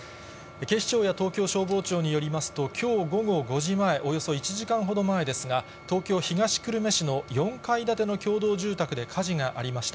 警視庁や東京消防庁によりますと、きょう午後５時前、およそ１時間ほど前ですが、東京・東久留米市の４階建ての共同住宅で火事がありました。